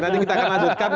nanti kita akan lanjutkan